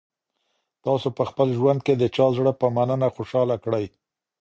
تاسي په خپل ژوند کي د چا زړه په مننه خوشاله کړی؟